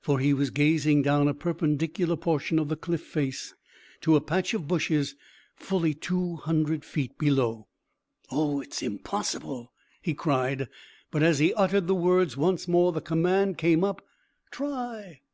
For he was gazing down a perpendicular portion of the cliff face to a patch of bushes fully two hundred feet below. "Oh, it's impossible!" he cried; but as he uttered the words once more the command came up "Try!"